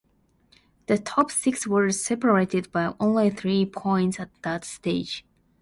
The top six were separated by only three points at that stage.